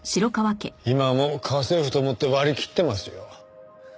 今はもう家政婦と思って割り切ってますよ。